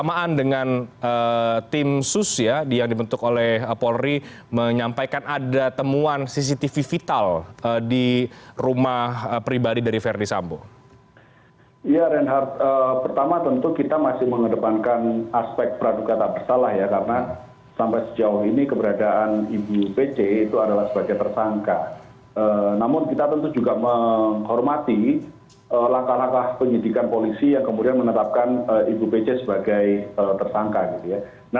yang kemudian menetapkan ibu pece sebagai tersangka